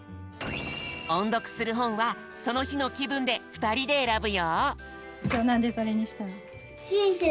おんどくするほんはそのひのきぶんでふたりでえらぶよ。